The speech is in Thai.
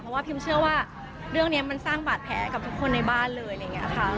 เพราะว่าพิมเชื่อว่าเรื่องนี้มันสร้างบาดแผลกับทุกคนในบ้านเลยอะไรอย่างนี้ค่ะ